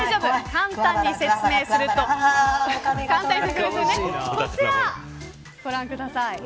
簡単に説明するとこちらご覧ください。